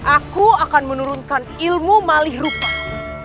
aku akan menurunkan ilmu malih rupamu